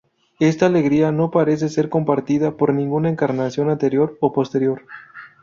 Esta alergia no parece ser compartida por ninguna encarnación anterior o posterior.